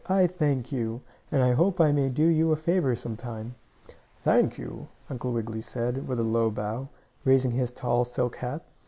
I thank you, and I hope I may do you a favor some time." "Thank you," Uncle Wiggily said, with a low bow, raising his tall silk hat.